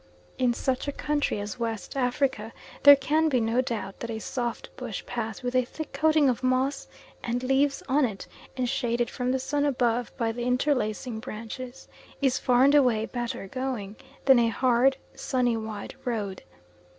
In such a country as West Africa there can be no doubt that a soft bush path with a thick coating of moss and leaves on it, and shaded from the sun above by the interlacing branches, is far and away better going than a hard, sunny wide road.